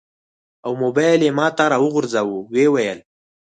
او موبایل یې ماته راوغورځاوه. و یې ویل: